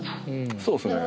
そうですね。